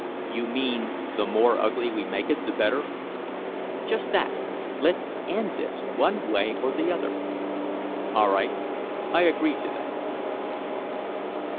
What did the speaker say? "You mean the more ugly we make it the better." "Just that. Let's end this one way or the other." "All right. I agree to that."